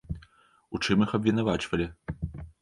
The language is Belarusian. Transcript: У чым іх абвінавачвалі?